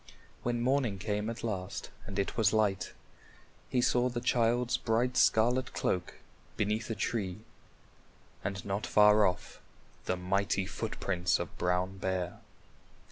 When morning came at last and it was light, he saw the child's bright scarlet cloak beneath a tree and not far off the mighty footprints of Brown Bear.